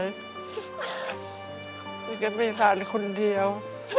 ยังก็มีร้านคนเดียว